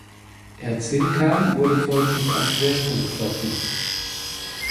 Erzincan wurde folglich am schwersten getroffen.